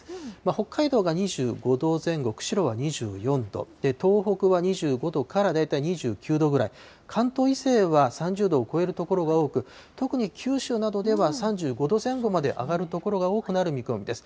北海道が２５度前後、釧路は２４度、東北は２５度から、大体２９度くらい、関東以西は３０度を超える所が多く、特に九州などでは３５度前後まで上がる所が多くなる見込みです。